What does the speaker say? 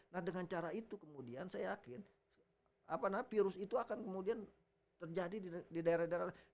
nah dengan cara itu kemudian saya yakin virus itu akan kemudian terjadi di daerah daerah